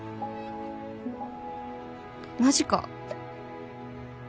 「マジか」